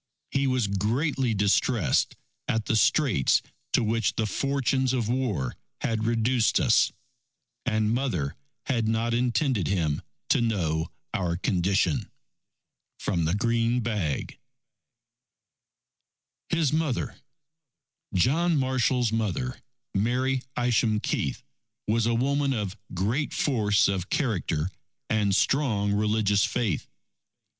He was greatly distressed at the straits to which the fortunes of war had reduced us. And Mother had not intended him to know our condition. From the Green Bag HIS MOTHER John Marshall's mother, Mary Isham Keith, was a woman of great force of character and strong religious faith.